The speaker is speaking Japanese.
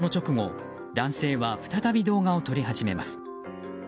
しかし、その直後男性は再び動画を撮り始めます。